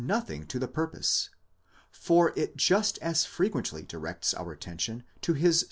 nothing to the purpose, for it just as frequently directs our attention to his.